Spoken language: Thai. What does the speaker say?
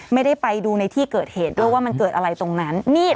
ไม่ได้ไปดูในที่เกิดเหตุด้วยว่ามันเกิดอะไรตรงนั้นมีด